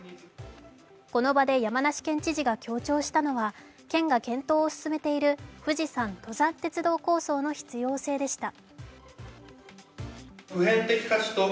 この場で山梨県知事が強調したのは県が検討を進めている富士山登山鉄道構想の必要性でした。